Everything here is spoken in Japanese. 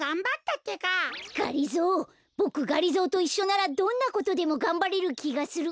がりぞーボクがりぞーといっしょならどんなことでもがんばれるきがする。